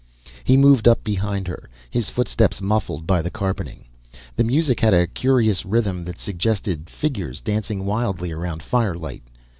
He moved up behind her, his footsteps muffled by the carpeting. The music had a curious rhythm that suggested figures dancing wildly around firelight.